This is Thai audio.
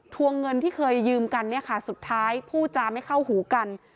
วงเงินที่เคยยืมกันเนี่ยค่ะสุดท้ายผู้จาไม่เข้าหูกัน